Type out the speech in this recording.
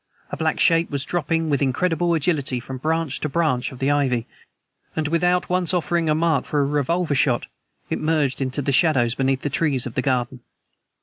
A black shape was dropping, with incredible agility from branch to branch of the ivy, and, without once offering a mark for a revolver shot, it merged into the shadows beneath the trees of the garden.